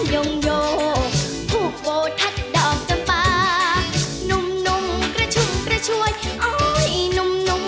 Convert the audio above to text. ยังไม่จูใจเลย